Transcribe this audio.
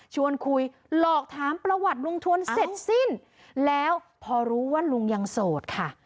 ชวนคุยหลอกถามประวัติลุงทวนเสร็จสิ้นแล้วพอรู้ว่าลุงยังโสดค่ะ